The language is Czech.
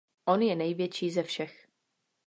On je největší ze všech.